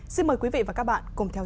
xin mời quý vị và các bạn cùng theo dõi